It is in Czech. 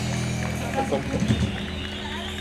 O tom pochybuji.